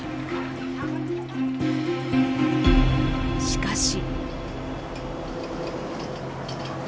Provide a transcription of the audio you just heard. しかし。